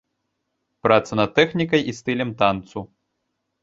Праца над тэхнікай і стылем танцу.